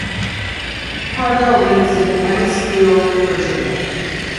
Pardoe lives in Amissville Virginia.